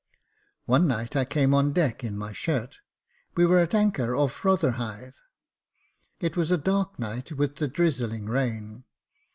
One night I came on deck in my shirt. We were at anchor off Rotherhithe : it was a dark night, with a drizzling rain.